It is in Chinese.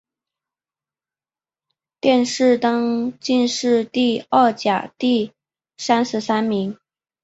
殿试登进士第二甲第三十三名。